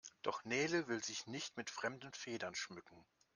Doch Nele will sich nicht mit fremden Federn schmücken.